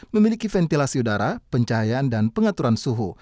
memiliki ventilasi udara pencahayaan dan pengaturan suhu